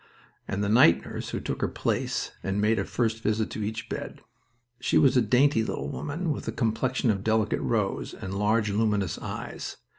and the night nurse took her place, and made a first visit to each bed. She was a dainty little woman with the complexion of a delicate rose and large, luminous eyes.